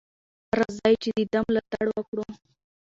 راځئ چې د ده ملاتړ وکړو.